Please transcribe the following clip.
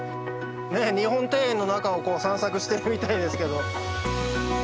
日本庭園の中をこう散策してるみたいですけど。